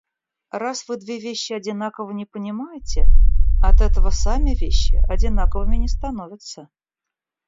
Раз вы две вещи одинаково не понимаете, от этого сами вещи одинаковыми не становятся.